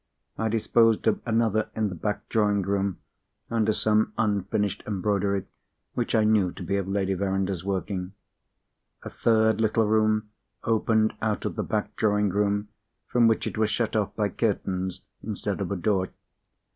I disposed of another in the back drawing room, under some unfinished embroidery, which I knew to be of Lady Verinder's working. A third little room opened out of the back drawing room, from which it was shut off by curtains instead of a door.